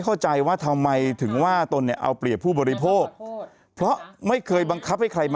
แอรี่แอรี่แอรี่แอรี่แอรี่แอรี่แอรี่แอรี่แอรี่แอรี่